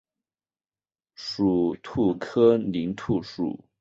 属兔科林兔属。